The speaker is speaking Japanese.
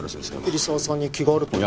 桐沢さんに気があるって事。